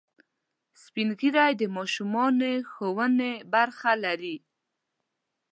سپین ږیری د ماشومانو د ښوونې برخه لري